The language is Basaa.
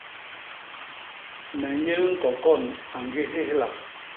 Me nyék ñkokon a ñgi héhlak.